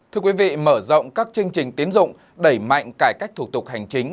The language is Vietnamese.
thưa quý vị mở rộng các chương trình tiến dụng đẩy mạnh cải cách thủ tục hành chính